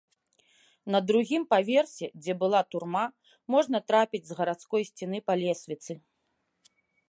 На другі паверсе, дзе была турма, можна трапіць з гарадской сцены па лесвіцы.